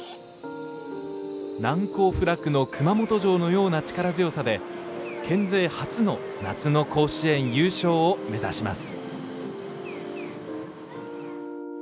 難攻不落の熊本城のような力強さで、県勢初の夏の甲子園優勝を目指します。